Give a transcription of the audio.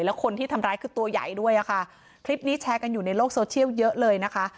แล้วคนที่ทำร้ายคือตัวใหญ่ด้วยอ่ะค่ะคลิปนี้แชร์กันอยู่ในโลกโซเชียลเยอะเลยนะคะ